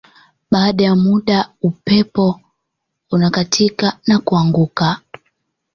Baada ya muda upeno unakatika na kuanguka